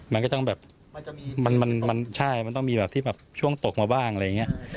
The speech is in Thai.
มันก็ต้องแบบมันใช่มันต้องมีแบบที่แบบช่วงตกมาบ้างอะไรอย่างนี้